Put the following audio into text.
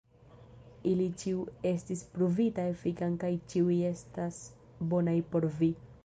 Ili ĉiu estis pruvita efikan kaj ĉiuj estas bonaj por vi.